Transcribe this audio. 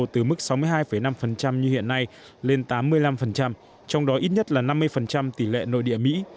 từ mức sáu mươi hai năm như hiện nay lên tám mươi năm trong đó ít nhất là năm mươi tỷ lệ nội địa mỹ